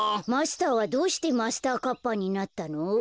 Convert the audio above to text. マスターはどうしてマスターカッパーになったの？